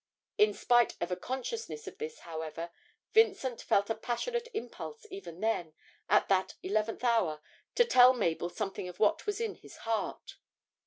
In spite of a consciousness of this, however, Vincent felt a passionate impulse even then, at that eleventh hour, to tell Mabel something of what was in his heart.